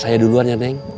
saya duluan ya neng